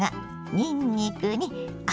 にんにくに赤